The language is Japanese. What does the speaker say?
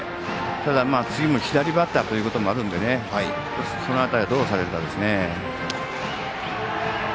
ただ次も左バッターということもあるのでその辺りをどうされるかですね。